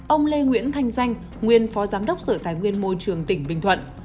ông lê nguyễn thanh danh nguyên phó giám đốc sở tài nguyên môi trường tỉnh bình thuận